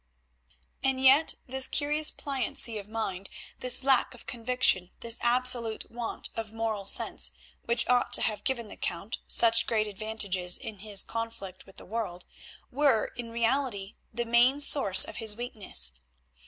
And yet this curious pliancy of mind, this lack of conviction, this absolute want of moral sense, which ought to have given the Count such great advantages in his conflict with the world, were, in reality, the main source of his weakness.